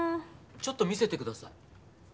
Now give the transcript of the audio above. ちょっと見せてください。